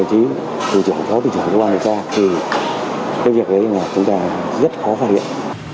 thì công việc này chúng ta rất khó phát hiện